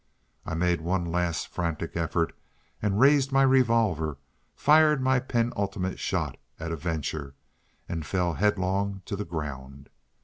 I made one last frantic effort, and raised my revolver, fired my penultimate shot at a venture, and fell headlong to the ground.